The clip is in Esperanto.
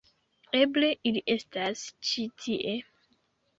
Eble ili estas ĉi tie.